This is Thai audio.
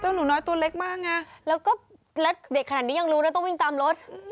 หนูน้อยตัวเล็กมากไงแล้วก็แล้วเด็กขนาดนี้ยังรู้นะต้องวิ่งตามรถ